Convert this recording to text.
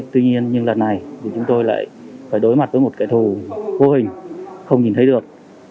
tuy nhiên nhưng lần này thì chúng tôi lại phải đối mặt với một kẻ thù vô hình không nhìn thấy được